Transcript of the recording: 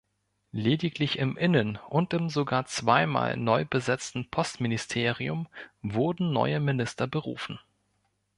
Lediglich im Innen- und im sogar zweimal neu besetzten Postministerium wurden neue Minister berufen.